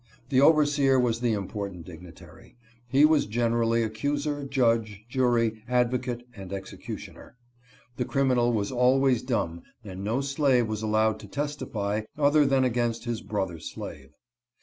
The overseer was the important dignitary. He was generally accuser, judge, jury, advocate, and execu tioner. The criminal was always dumb, and no slave was allowed to testify other than against his brother slave.